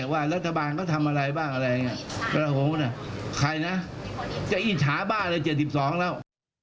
ว่ารัฐบาลก็ทำอะไรบ้างใครนะจะอิทธาบ้างเลย๗๒แล้ว